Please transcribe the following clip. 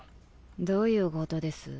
どういうことです？